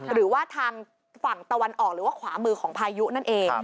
หรือว่าทางฝั่งตะวันออกหรือว่าขวามือของพายุนั่นเอง